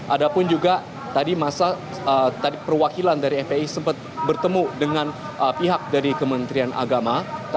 ada pun juga tadi masa perwakilan dari fpi sempat bertemu dengan pihak dari kementerian agama